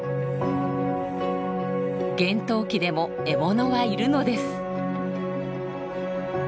厳冬期でも獲物はいるのです。